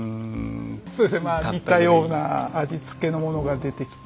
そうですね似たような味付けのものが出てきて。